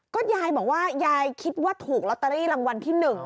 ก็ยายบอกว่ายายคิดว่าถูกลอตเตอรี่รางวัลที่๑